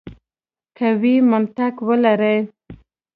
قوي منطق ولري.